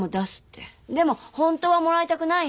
でも本当はもらいたくないの。